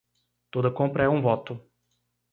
Toda compra é um voto.